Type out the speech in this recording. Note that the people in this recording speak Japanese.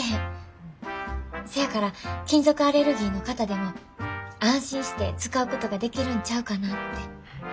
せやから金属アレルギーの方でも安心して使うことができるんちゃうかなって。